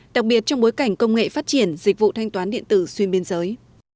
đặc biệt trong bối cảnh công nghệ phát triển dịch vụ thanh toán điện tử xuyên biên giới